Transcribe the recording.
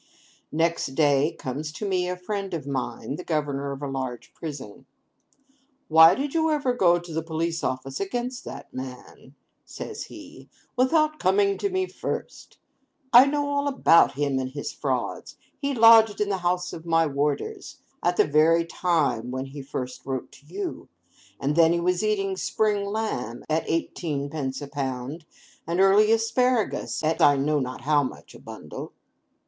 Next day comes to me a friend of mine, the governor of a large prison. 'Why did you ever go to the Police Office against that man,' says he, 'without coming to me first? I know all about him and his frauds. He lodged in the house of one of my warders, at the very time when he first wrote to you; and then he was eating spring lamb at eighteen pence a pound, and early asparagus at I don't know how much a bundle!